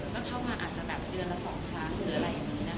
ก็เข้ามาอาจจะแบบเดือนละ๒ครั้งหรืออะไรอย่างนี้นะคะ